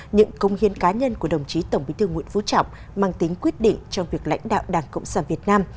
những công hiến cá nhân của đồng chí tổng bí thư nguyễn phú trọng mang tính quyết định trong việc lãnh đạo đảng cộng sản việt nam